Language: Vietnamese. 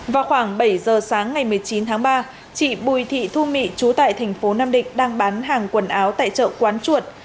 vào khoảng bảy giờ sáng ngày một mươi chín tháng ba chị bùi thị thu mỹ trú tại thành phố nam định đang bán hàng quần áo tại chợ quán chuột